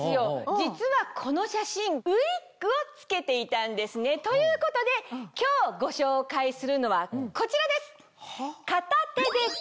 実はこの写真ウィッグを着けていたんですね。ということで今日ご紹介するのはこちらです。